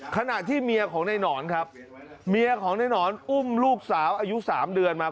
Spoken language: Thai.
ขณะที่เมียของในหนอนครับเมียของในหนอนอุ้มลูกสาวอายุ๓เดือนมา